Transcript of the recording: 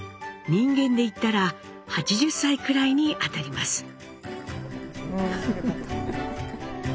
人間で言ったら８０歳くらいにあたります。